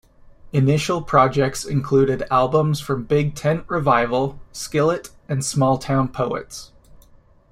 Initial projects included albums from Big Tent Revival, Skillet, and Smalltown Poets.